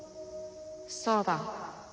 そうだ。